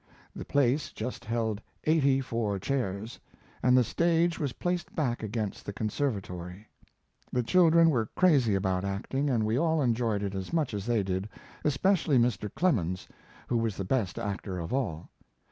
The place just held eighty four chairs, and the stage was placed back against the conservatory. The children were crazy about acting and we all enjoyed it as much as they did, especially Mr. Clemens, who was the best actor of all.